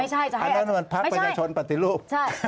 ไม่ใช่จะให้อาจารย์ไม่ใช่อันนั้นมันพักประชาชนปฏิรูป